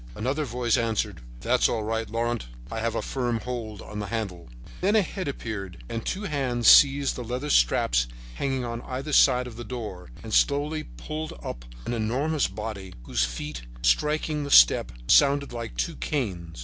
Another voice answered: "That's all right, Laurent, I have a firm hold on the handle." Then a head appeared, and two hands seized the leather straps hanging on either side of the door and slowly pulled up an enormous body, whose feet striking on the step, sounded like two canes.